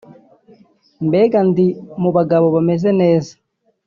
mbega ndi mu bagabo bameze neza